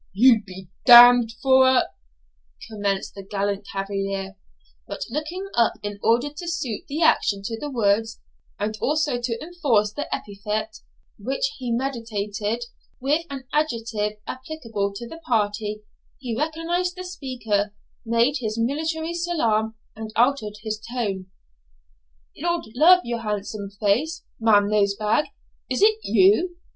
'You be d d for a ,' commenced the gallant cavalier; but, looking up in order to suit the action to the words, and also to enforce the epithet which he meditated with an adjective applicable to the party, he recognised the speaker, made his military salaam, and altered his tone. 'Lord love your handsome face, Madam Nosebag, is it you?